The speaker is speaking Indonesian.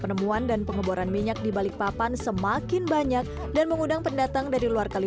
seperti kedai kopi tertua di balikpapan yang saya kunjungi di kawasan pandan sari ini